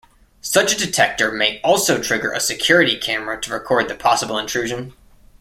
Such a detector may also trigger a security camera to record the possible intrusion.